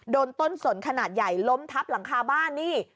โดนต้นสนขนาดใหญ่ล้มทับหลังคาบ้านนี่